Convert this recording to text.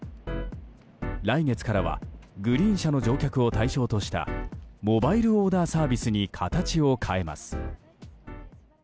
来月からはグリーン車の乗客を対象としたモバイルオーダーサービスに形を変えます。